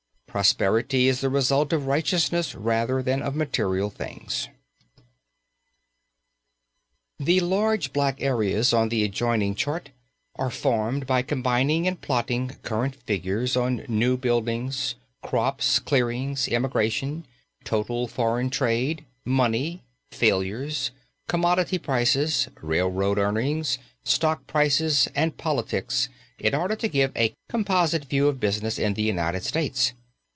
Prosperity is the result of righteousness rather than of material things. The large black areas on the adjoining chart are formed by combining and plotting current figures on New Building, Crops, Clearings, Immigration, Total Foreign Trade, Money, Failures, Commodity Prices, Railroad Earnings, Stock Prices and Politics in order to give a composite view of business in the United States.